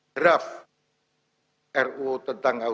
draft ruu tentang kuhp